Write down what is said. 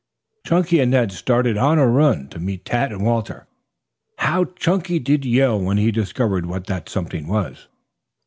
Chunky and Ned started on a run to meet Tad and Walter. How Chunky did yell when he discovered what that something was.